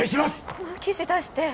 この記事出して